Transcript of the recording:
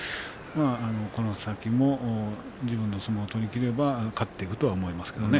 この先も竜電の相撲を取りきれば勝っていくと思います。